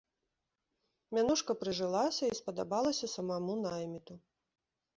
Мянушка прыжылася, і спадабалася самаму найміту.